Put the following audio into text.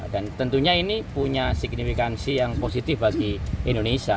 dan tentunya ini punya signifikansi yang positif bagi indonesia